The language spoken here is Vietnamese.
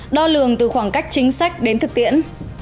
đo lường từ khoảng cách chính sách đến thực tiễn